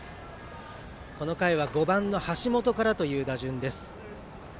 この回は５番の橋本からという打順です。